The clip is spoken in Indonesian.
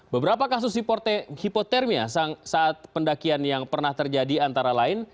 beberapa kasus hipotermia saat pendakian yang pernah terjadi antara lain